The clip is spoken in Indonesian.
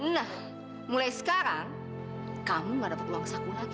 nah mulai sekarang kamu gak dapat uang saku lagi